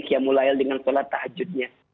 qiyamul a'il dengan sholat tahajudnya